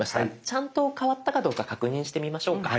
ちゃんと変わったかどうか確認してみましょうか。